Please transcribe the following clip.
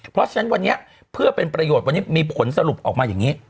เพราะฉะนั้นวันนี้เพื่อเป็นประโยชน์วันนี้มีผลสรุปออกมาอย่างนี้